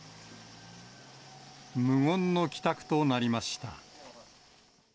無言の帰宅となりました。